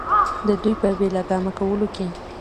د دوي پۀ بې لګامه کولو کښې